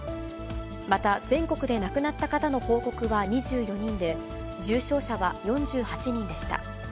また、全国で亡くなった方の報告は２４人で、重症者は４８人でした。